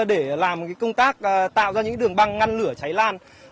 để làm công tác tạo ra những đường băng ngăn lửa cháy lan